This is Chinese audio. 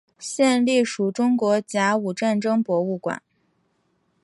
现隶属中国甲午战争博物馆。